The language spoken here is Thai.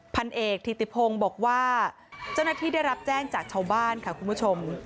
พันเอกธิติพงศ์บอกว่าเจ้าหน้าที่ได้รับแจ้งจากชาวบ้านค่ะคุณผู้ชม